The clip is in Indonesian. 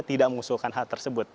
tidak mengusulkan hal tersebut